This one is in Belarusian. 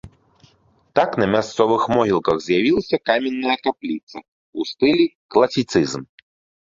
Так на мясцовых могілках з'явілася каменная капліца ў стылі класіцызм.